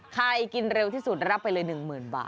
กินเร็วที่สุดรับไปเลย๑๐๐๐บาท